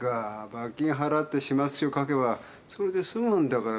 罰金払って始末書書けばそれで済むんだから。